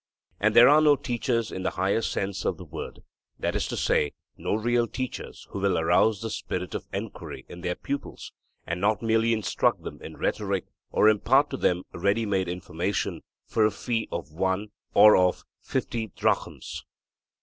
And there are no teachers in the higher sense of the word; that is to say, no real teachers who will arouse the spirit of enquiry in their pupils, and not merely instruct them in rhetoric or impart to them ready made information for a fee of 'one' or of 'fifty drachms.'